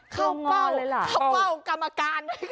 เข้าเป้ากรรมการไหมคะ